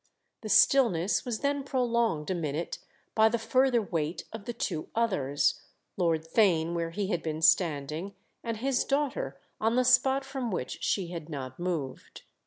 The stillness was then prolonged a minute by the further wait of the two others, Lord Theign where he had been standing and his daughter on the spot from which she had not moved.